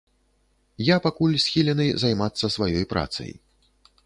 Я пакуль схілены займацца сваёй працай.